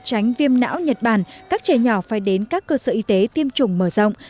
tránh viêm não nhật bản các trẻ nhỏ phải đến các cơ sở y tế tiêm chủng mở rộng